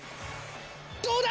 どうだ！